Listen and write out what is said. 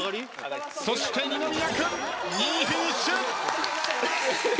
そして二宮君２位フィニッシュ！